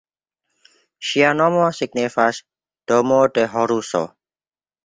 Ŝia nomo signifas "Domo de Horuso".